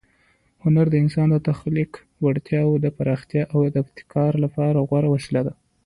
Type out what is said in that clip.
هنر د انسان د تخلیق وړتیاوو د پراختیا او ابتکار لپاره غوره وسیله ده.